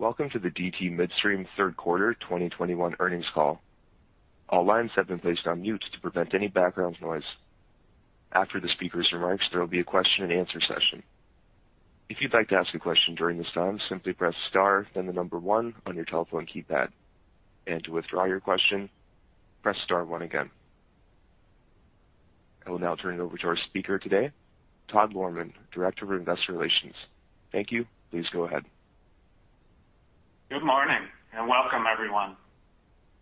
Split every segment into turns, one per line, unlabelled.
Welcome to the DT Midstream third quarter 2021 earnings call. All lines have been placed on mute to prevent any background noise. After the speaker's remarks, there will be a question-and-answer session. If you'd like to ask a question during this time, simply press star, then the number one on your telephone keypad. To withdraw your question, press star one again. I will now turn it over to our speaker today, Todd Lohrmann, Director of Investor Relations. Thank you. Please go ahead.
Good morning and welcome, everyone.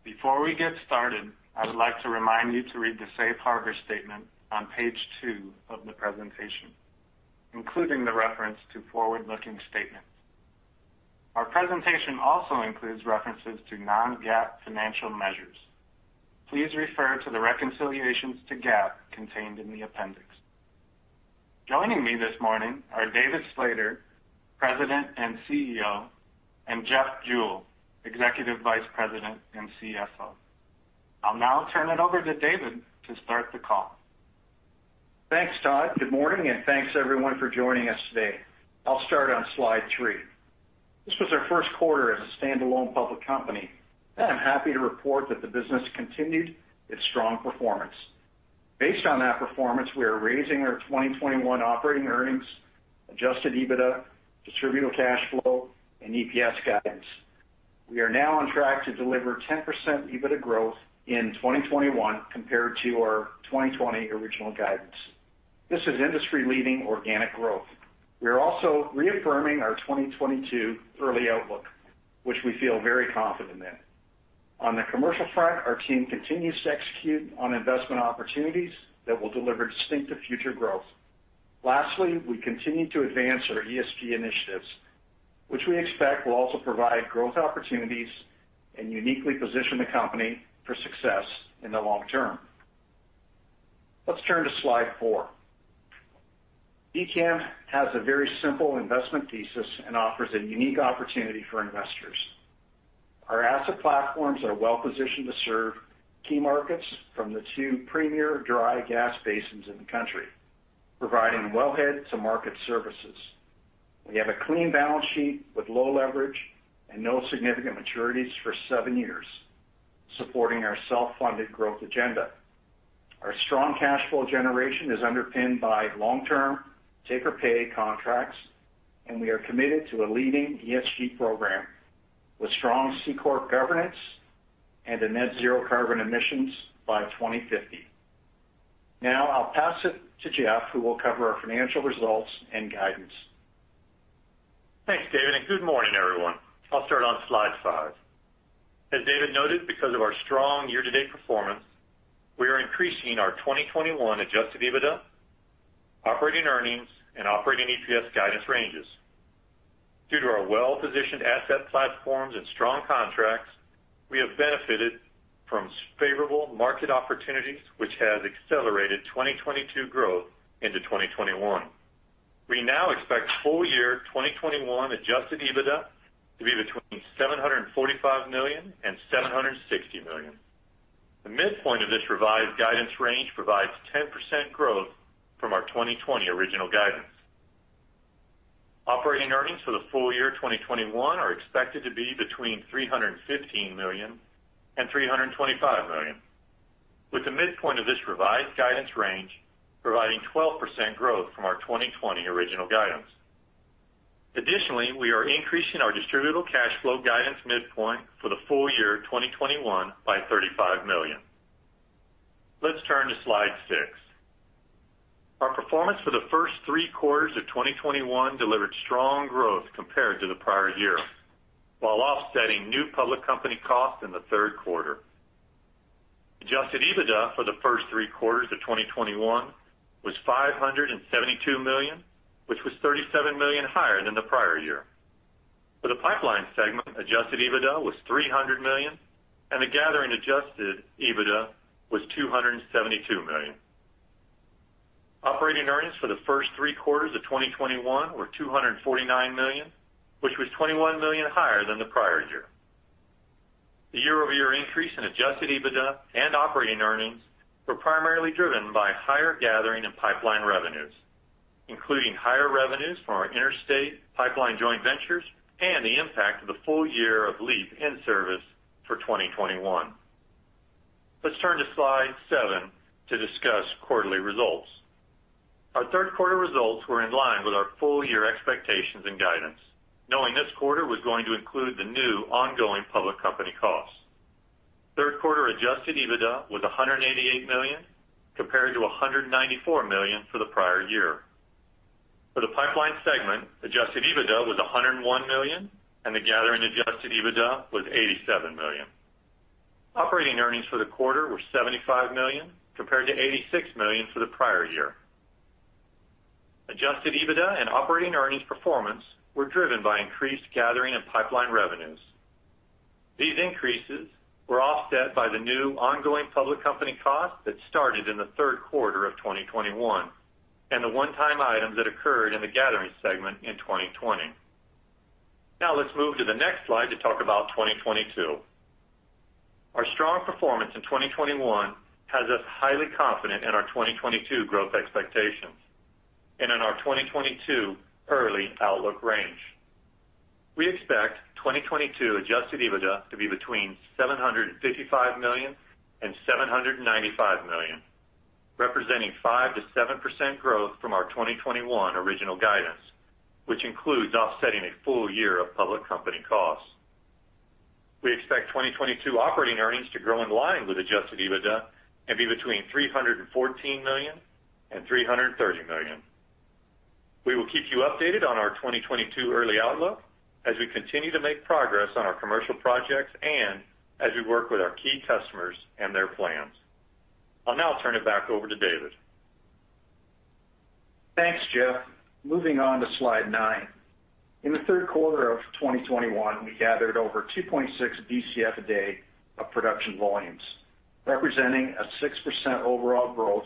Before we get started, I would like to remind you to read the safe harbor statement on page two of the presentation, including the reference to forward-looking statements. Our presentation also includes references to non-GAAP financial measures. Please refer to the reconciliations to GAAP contained in the appendix. Joining me this morning are David Slater, President and CEO, and Jeff Jewell, Executive Vice President and CFO. I'll now turn it over to David to start the call.
Thanks, Todd. Good morning, and thanks, everyone, for joining us today. I'll start on slide 3. This was our first quarter as a standalone public company. I am happy to report that the business continued its strong performance. Based on that performance, we are raising our 2021 operating earnings, adjusted EBITDA, distributable cash flow, and EPS guidance. We are now on track to deliver 10% EBITDA growth in 2021 compared to our 2020 original guidance. This is industry-leading organic growth. We are also reaffirming our 2022 early outlook, which we feel very confident in. On the commercial front, our team continues to execute on investment opportunities that will deliver distinctive future growth. Lastly, we continue to advance our ESG initiatives, which we expect will also provide growth opportunities and uniquely position the company for success in the long term. Let's turn to slide 4. DTM has a very simple investment thesis and offers a unique opportunity for investors. Our asset platforms are well-positioned to serve key markets from the two premier dry gas basins in the country, providing wellhead to market services. We have a clean balance sheet with low leverage and no significant maturities for 7 years, supporting our self-funded growth agenda. Our strong cash flow generation is underpinned by long-term take-or-pay contracts, and we are committed to a leading ESG program with strong C-Corp governance and a net zero carbon emissions by 2050. Now I'll pass it to Jeff, who will cover our financial results and guidance.
Thanks, David, and good morning, everyone. I'll start on slide 5. As David noted, because of our strong year-to-date performance, we are increasing our 2021 adjusted EBITDA, operating earnings, and operating EPS guidance ranges. Due to our well-positioned asset platforms and strong contracts, we have benefited from favorable market opportunities, which has accelerated 2022 growth into 2021. We now expect full year 2021 adjusted EBITDA to be $745 million-$760 million. The midpoint of this revised guidance range provides 10% growth from our 2020 original guidance. Operating earnings for the full year 2021 are expected to be $315 million-$325 million, with the midpoint of this revised guidance range providing 12% growth from our 2020 original guidance. Additionally, we are increasing our distributable cash flow guidance midpoint for the full year 2021 by $35 million. Let's turn to slide 6. Our performance for the first three quarters of 2021 delivered strong growth compared to the prior year, while offsetting new public company costs in the third quarter. Adjusted EBITDA for the first three quarters of 2021 was $572 million, which was $37 million higher than the prior year. For the pipeline segment, adjusted EBITDA was $300 million, and the gathering adjusted EBITDA was $272 million. Operating earnings for the first three quarters of 2021 were $249 million, which was $21 million higher than the prior year. The year-over-year increase in adjusted EBITDA and operating earnings were primarily driven by higher gathering and pipeline revenues, including higher revenues from our interstate pipeline joint ventures and the impact of the full year of LEAP in service for 2021. Let's turn to slide 7 to discuss quarterly results. Our third quarter results were in line with our full year expectations and guidance, knowing this quarter was going to include the new ongoing public company costs. Third quarter adjusted EBITDA was $188 million, compared to $194 million for the prior year. For the pipeline segment, adjusted EBITDA was $101 million, and the gathering adjusted EBITDA was $87 million. Operating earnings for the quarter were $75 million, compared to $86 million for the prior year. Adjusted EBITDA and operating earnings performance were driven by increased gathering and pipeline revenues. These increases were offset by the new ongoing public company costs that started in the third quarter of 2021 and the one-time items that occurred in the gathering segment in 2020. Now let's move to the next slide to talk about 2022. Our strong performance in 2021 has us highly confident in our 2022 growth expectations and in our 2022 early outlook range. We expect 2022 adjusted EBITDA to be between $755 million and $795 million, representing 5%-7% growth from our 2021 original guidance, which includes offsetting a full year of public company costs. We expect 2022 operating earnings to grow in line with adjusted EBITDA and be between $314 million and $330 million. We will keep you updated on our 2022 early outlook as we continue to make progress on our commercial projects and as we work with our key customers and their plans. I'll now turn it back over to David.
Thanks, Jeff. Moving on to slide 9. In the third quarter of 2021, we gathered over 2.6 Bcf a day of production volumes, representing a 6% overall growth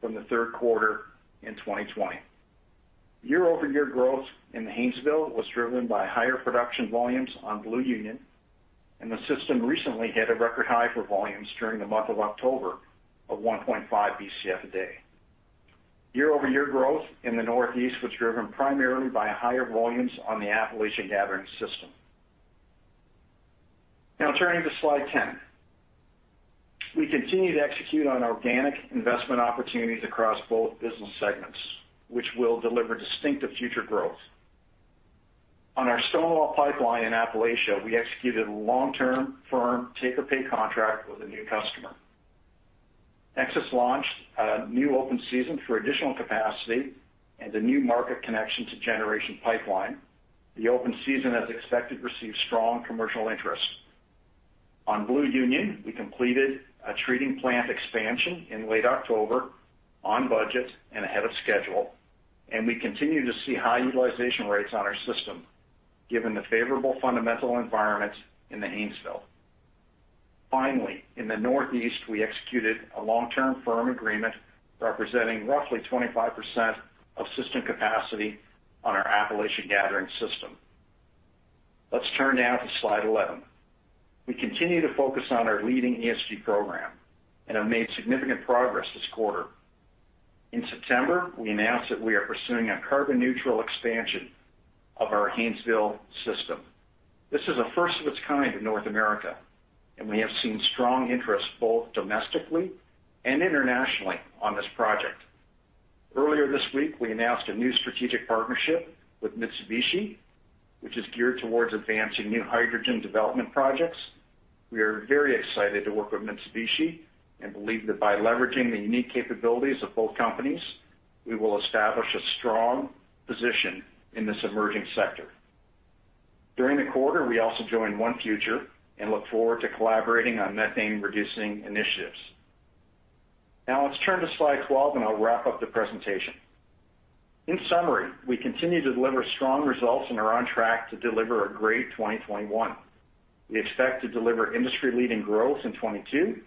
from the third quarter in 2020. Year-over-year growth in the Haynesville was driven by higher production volumes on Blue Union, and the system recently hit a record high for volumes during the month of October of 1.5 Bcf a day. Year-over-year growth in the Northeast was driven primarily by higher volumes on the Appalachia Gathering System. Now turning to slide 10. We continue to execute on organic investment opportunities across both business segments, which will deliver distinctive future growth. On our Stonewall Pipeline in Appalachia, we executed a long-term firm take-or-pay contract with a new customer. NEXUS launched a new open season for additional capacity and a new market connection to Generation Pipeline. The open season, as expected, received strong commercial interest. On Blue Union, we completed a treating plant expansion in late October on budget and ahead of schedule, and we continue to see high utilization rates on our system given the favorable fundamental environment in the Haynesville. Finally, in the Northeast, we executed a long-term firm agreement representing roughly 25% of system capacity on our Appalachia Gathering System. Let's turn now to slide 11. We continue to focus on our leading ESG program and have made significant progress this quarter. In September, we announced that we are pursuing a carbon neutral expansion of our Haynesville system. This is a first of its kind in North America, and we have seen strong interest both domestically and internationally on this project. Earlier this week, we announced a new strategic partnership with Mitsubishi Power, which is geared towards advancing new hydrogen development projects. We are very excited to work with Mitsubishi and believe that by leveraging the unique capabilities of both companies, we will establish a strong position in this emerging sector. During the quarter, we also joined ONE Future and look forward to collaborating on methane reducing initiatives. Now let's turn to slide 12, and I'll wrap up the presentation. In summary, we continue to deliver strong results and are on track to deliver a great 2021. We expect to deliver industry-leading growth in 2022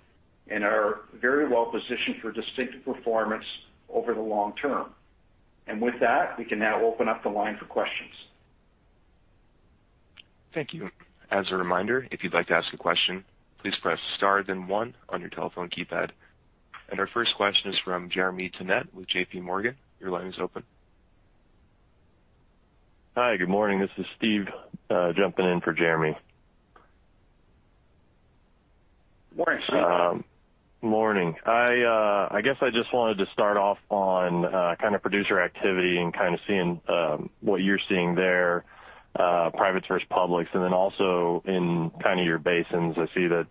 and are very well positioned for distinct performance over the long term. With that, we can now open up the line for questions.
Thank you. As a reminder, if you'd like to ask a question, please press star then one on your telephone keypad. Our first question is from Jeremy Tonet with JPMorgan. Your line is open.
Hi. Good morning. This is Steve, jumping in for Jeremy.
Morning, Steve.
Morning. I guess I just wanted to start off on kind of producer activity and kind of seeing what you're seeing there, privates versus publics, and then also in kind of your basins. I see that,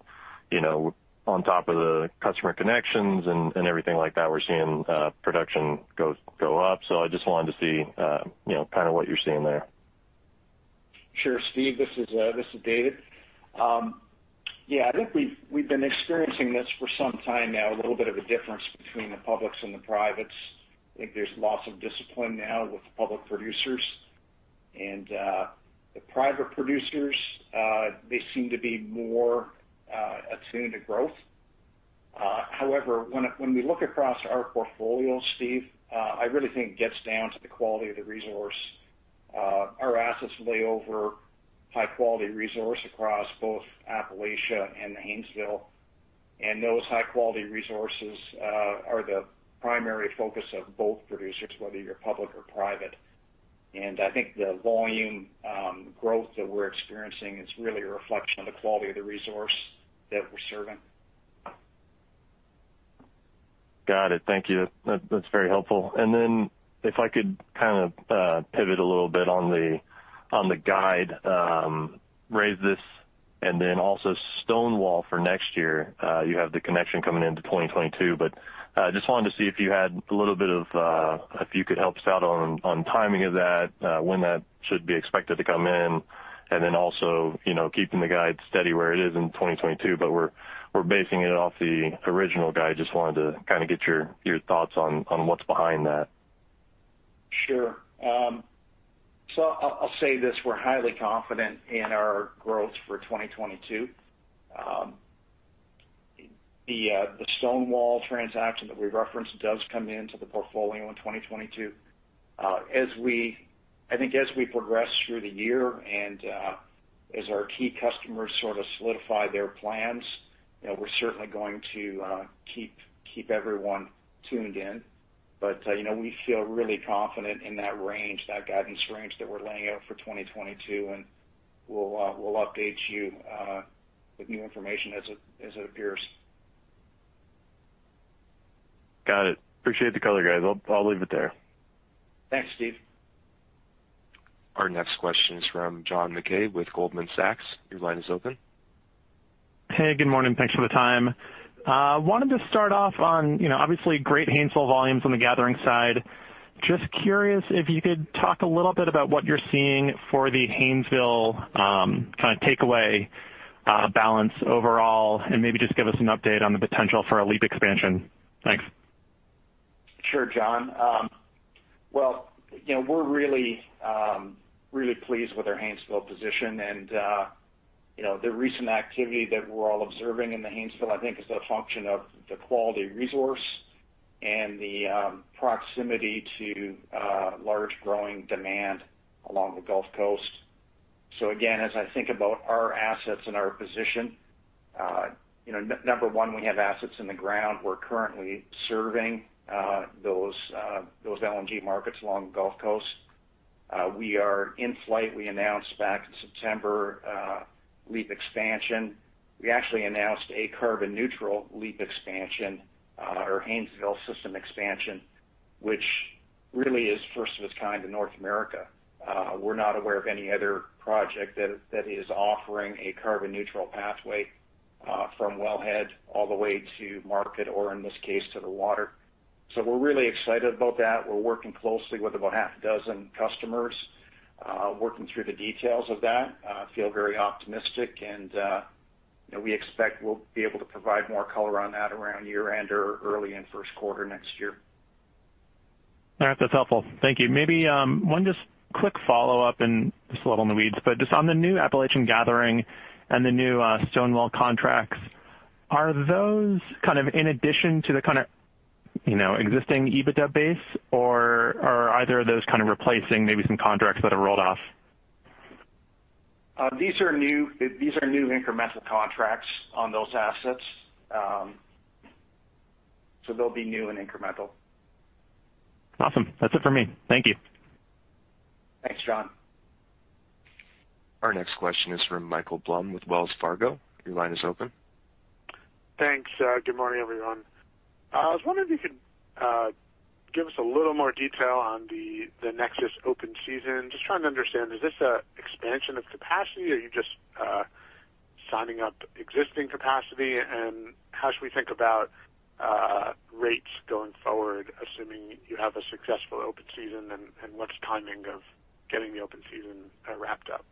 you know, on top of the customer connections and everything like that, we're seeing production go up. I just wanted to see, you know, kind of what you're seeing there.
Sure, Steve. This is David. Yeah, I think we've been experiencing this for some time now, a little bit of a difference between the publics and the privates. I think there's lots of discipline now with public producers. The private producers, they seem to be more attuned to growth. However, when we look across our portfolio, Steve, I really think it gets down to the quality of the resource. Our assets lay over high-quality resource across both Appalachia and Haynesville. Those high-quality resources are the primary focus of both producers, whether you're public or private. I think the volume growth that we're experiencing is really a reflection of the quality of the resource that we're serving.
Got it. Thank you. That's very helpful. If I could kind of pivot a little bit on the guide, raise this and then also Stonewall for next year. You have the connection coming into 2022, but just wanted to see if you had a little bit of. If you could help us out on timing of that, when that should be expected to come in. You know, keeping the guide steady where it is in 2022, but we're basing it off the original guide. Just wanted to kind of get your thoughts on what's behind that.
Sure. I'll say this, we're highly confident in our growth for 2022. The Stonewall transaction that we referenced does come into the portfolio in 2022. As we progress through the year and as our key customers sort of solidify their plans, you know, we're certainly going to keep everyone tuned in. You know, we feel really confident in that range, that guidance range that we're laying out for 2022, and we'll update you with new information as it appears.
Got it. Appreciate the color, guys. I'll leave it there.
Thanks, Steve.
Our next question is from John Mackay with Goldman Sachs. Your line is open.
Hey, good morning. Thanks for the time. Wanted to start off on, you know, obviously great Haynesville volumes on the gathering side. Just curious if you could talk a little bit about what you're seeing for the Haynesville, kind of takeaway, balance overall, and maybe just give us an update on the potential for a LEAP expansion. Thanks.
Sure, John. Well, you know, we're really pleased with our Haynesville position and, you know, the recent activity that we're all observing in the Haynesville, I think is a function of the quality resource and the proximity to large growing demand along the Gulf Coast. Again, as I think about our assets and our position, you know, number one, we have assets in the ground. We're currently serving those LNG markets along the Gulf Coast. We are in flight. We announced back in September LEAP expansion. We actually announced a carbon neutral LEAP expansion, or Haynesville system expansion, which really is first of its kind in North America. We're not aware of any other project that is offering a carbon neutral pathway from wellhead all the way to market or in this case, to the water. So we're really excited about that. We're working closely with about half a dozen customers working through the details of that. Feel very optimistic and you know, we expect we'll be able to provide more color on that around year-end or early in first quarter next year.
All right. That's helpful. Thank you. Maybe one just quick follow-up and just a little in the weeds, but just on the new Appalachia gathering and the new Stonewall contracts, are those kind of in addition to the kind of, you know, existing EBITDA base, or are either of those kind of replacing maybe some contracts that have rolled off?
These are new incremental contracts on those assets. They'll be new and incremental.
Awesome. That's it for me. Thank you.
Thanks, John.
Our next question is from Michael Blum with Wells Fargo. Your line is open.
Thanks. Good morning, everyone. I was wondering if you could give us a little more detail on the NEXUS open season. Just trying to understand, is this a expansion of capacity, or are you just signing up existing capacity? And how should we think about rates going forward, assuming you have a successful open season, and what's timing of getting the open season wrapped up?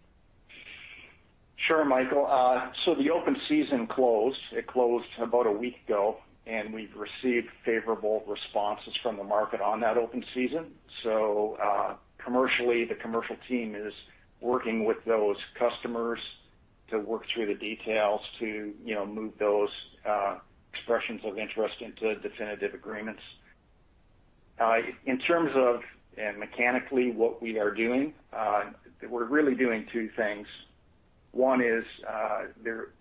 Sure, Michael. The open season closed. It closed about a week ago, and we've received favorable responses from the market on that open season. Commercially, the commercial team is working with those customers to work through the details to, you know, move those expressions of interest into definitive agreements. In terms of mechanically, what we are doing, we're really doing two things. One is,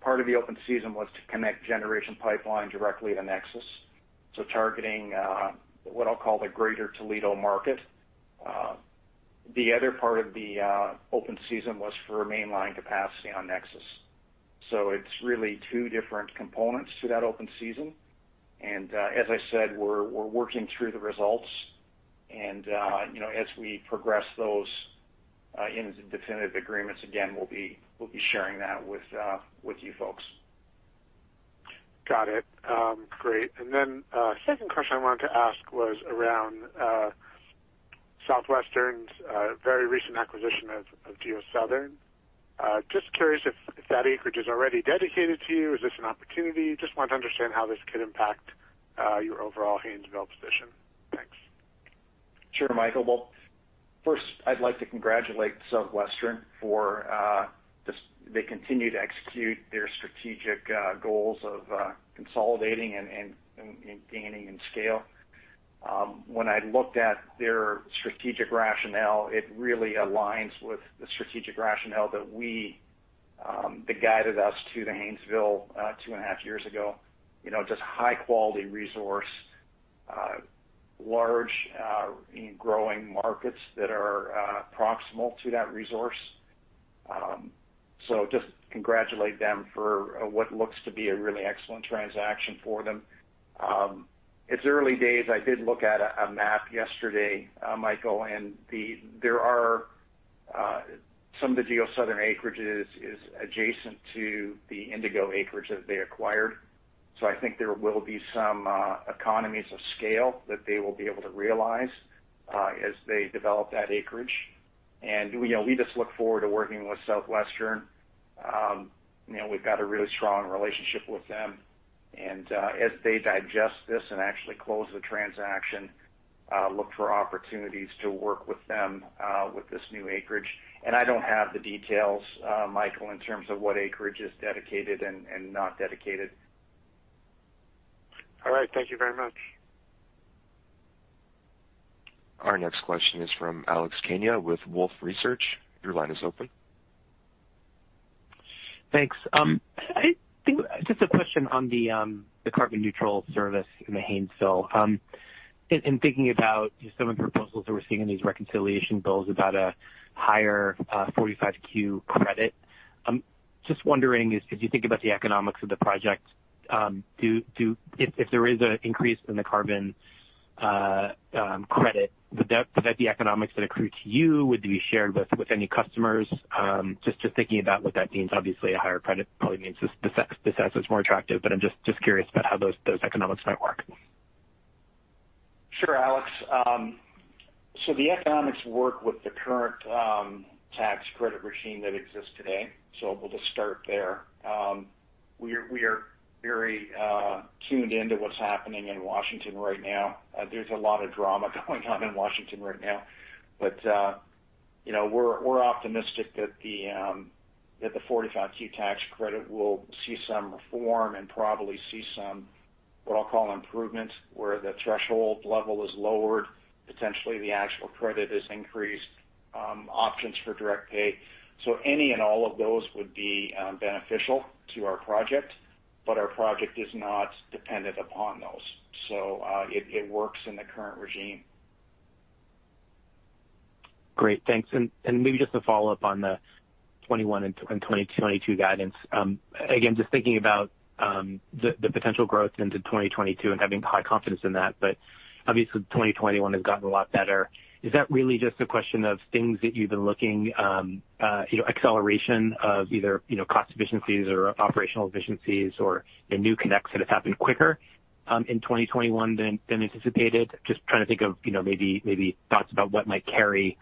part of the open season was to connect Generation Pipeline directly to NEXUS. Targeting what I'll call the greater Toledo market. The other part of the open season was for mainline capacity on NEXUS. It's really two different components to that open season. As I said, we're working through the results, and you know, as we progress those into definitive agreements, again, we'll be sharing that with you folks.
Got it. Great. Second question I wanted to ask was around Southwestern's very recent acquisition of GeoSouthern. Just curious if that acreage is already dedicated to you. Is this an opportunity? Just want to understand how this could impact your overall Haynesville position. Thanks.
Sure, Michael. Well, first, I'd like to congratulate Southwestern for they continue to execute their strategic goals of consolidating and gaining in scale. When I looked at their strategic rationale, it really aligns with the strategic rationale that we that guided us to the Haynesville 2.5 years ago. You know, just high quality resource, large growing markets that are proximal to that resource, so just congratulate them for what looks to be a really excellent transaction for them. It's early days. I did look at a map yesterday, Michael, and there are some of the GeoSouthern acreage is adjacent to the Indigo acreage that they acquired. I think there will be some economies of scale that they will be able to realize as they develop that acreage. You know, we just look forward to working with Southwestern. You know, we've got a really strong relationship with them. As they digest this and actually close the transaction, look for opportunities to work with them with this new acreage. I don't have the details, Michael, in terms of what acreage is dedicated and not dedicated.
All right. Thank you very much.
Our next question is from Alex Kania with Wolfe Research. Your line is open.
Thanks. I think just a question on the carbon neutral service in the Haynesville. In thinking about some of the proposals that we're seeing in these reconciliation bills about a higher 45Q credit, I'm just wondering as you think about the economics of the project, if there is an increase in the carbon credit, would that be economics that accrue to you? Would be shared with any customers? Just thinking about what that means. Obviously, a higher credit probably means this asset is more attractive, but I'm just curious about how those economics might work.
Sure, Alex. The economics work with the current tax credit regime that exists today. We'll just start there. We are very tuned into what's happening in Washington right now. There's a lot of drama going on in Washington right now. You know, we're optimistic that the 45Q tax credit will see some reform and probably see some, what I'll call improvements, where the threshold level is lowered, potentially the actual credit is increased, options for direct pay. Any and all of those would be beneficial to our project, but our project is not dependent upon those. It works in the current regime.
Great. Thanks. Maybe just to follow up on the 2021 and 2022 guidance. Again, just thinking about the potential growth into 2022 and having high confidence in that. Obviously, 2021 has gotten a lot better. Is that really just a question of things that you've been looking, you know, acceleration of either, you know, cost efficiencies or operational efficiencies or new connects that have happened quicker in 2021 than anticipated? Just trying to think of, you know, maybe thoughts about what might carry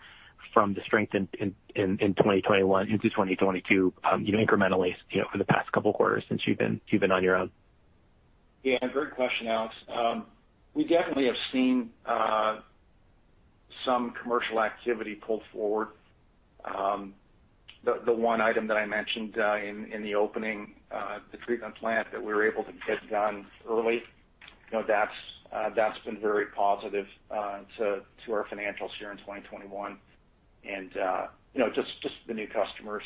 from the strength in 2021 into 2022, you know, incrementally, you know, for the past couple quarters since you've been on your own.
Yeah. Great question, Alex. We definitely have seen some commercial activity pull forward. The one item that I mentioned in the opening, the treatment plant that we were able to get done early. You know, that's been very positive to our financials here in 2021. You know, just the new customers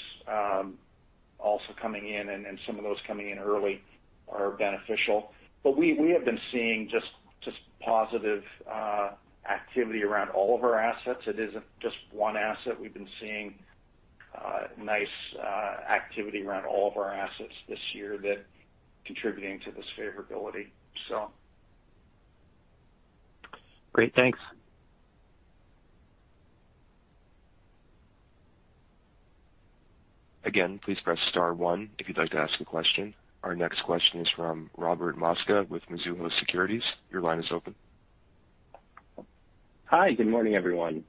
also coming in and some of those coming in early are beneficial. We have been seeing just positive activity around all of our assets. It isn't just one asset. We've been seeing nice activity around all of our assets this year that contributing to this favorability.
Great. Thanks.
Again, please press star one if you'd like to ask a question. Our next question is from Robert Mosca with Mizuho Securities. Your line is open.
Hi. Good morning, everyone.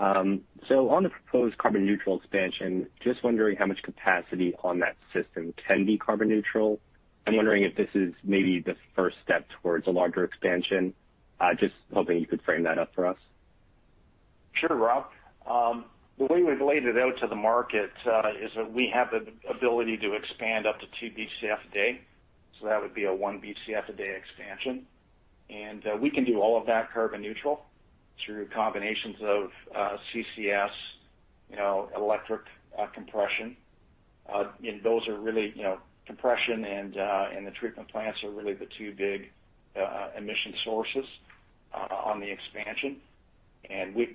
On the proposed carbon neutral expansion, just wondering how much capacity on that system can be carbon neutral. I'm wondering if this is maybe the first step towards a larger expansion. Just hoping you could frame that up for us.
Sure, Rob. The way we've laid it out to the market is that we have the ability to expand up to 2 Bcf a day. That would be a 1 Bcf a day expansion. We can do all of that carbon neutral through combinations of CCS, you know, electric compression. Those are really, you know, compression and the treatment plants are really the two big emission sources on the expansion.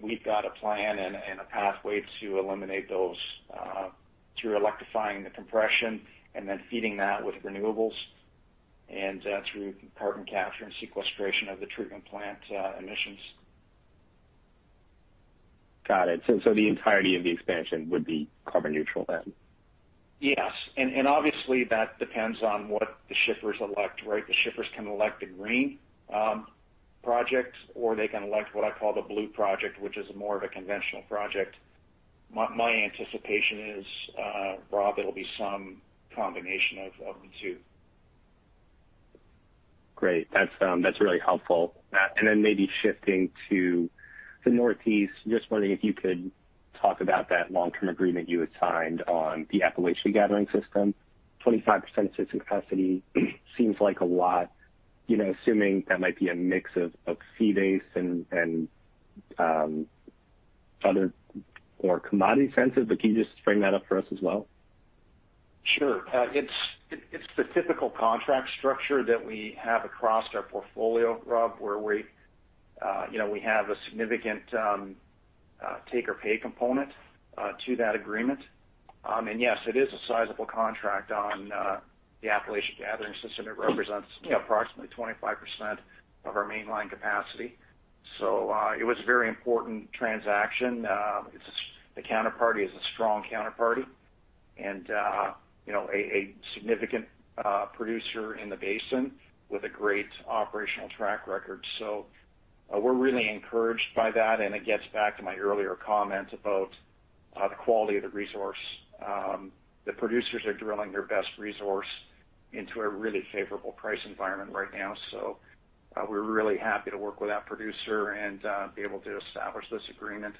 We've got a plan and a pathway to eliminate those through electrifying the compression and then feeding that with renewables and through carbon capture and sequestration of the treatment plant emissions.
Got it. The entirety of the expansion would be carbon neutral then?
Yes. Obviously, that depends on what the shippers elect, right? The shippers can elect a green project, or they can elect what I call the blue project, which is more of a conventional project. My anticipation is, Rob, it'll be some combination of the two.
Great. That's really helpful. Maybe shifting to the Northeast, just wondering if you could talk about that long-term agreement you had signed on the Appalachia Gathering System. 25% of system capacity seems like a lot, you know, assuming that might be a mix of fee base and other more commodity sensitive, but can you just frame that up for us as well?
Sure. It's the typical contract structure that we have across our portfolio, Rob, where we, you know, we have a significant take-or-pay component to that agreement. Yes, it is a sizable contract on the Appalachia Gathering System. It represents approximately 25% of our mainline capacity. It was a very important transaction. It's a strong counterparty and, you know, a significant producer in the basin with a great operational track record. We're really encouraged by that, and it gets back to my earlier comment about the quality of the resource. The producers are drilling their best resource into a really favorable price environment right now. We're really happy to work with that producer and be able to establish this agreement.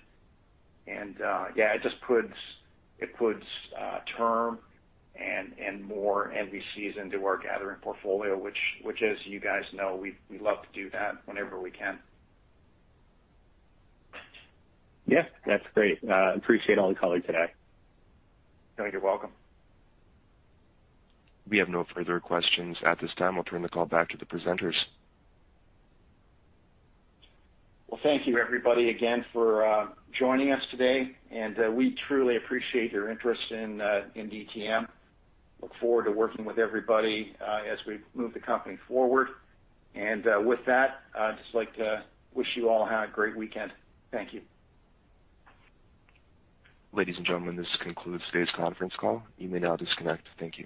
It just puts term and more MVCs into our gathering portfolio, which as you guys know, we love to do that whenever we can.
Yeah. That's great. I appreciate all the color today.
No, you're welcome.
We have no further questions at this time. I'll turn the call back to the presenters.
Well, thank you, everybody, again for joining us today, and we truly appreciate your interest in DTM. Look forward to working with everybody as we move the company forward. With that, I'd just like to wish you all have a great weekend. Thank you.
Ladies and gentlemen, this concludes today's conference call. You may now disconnect. Thank you.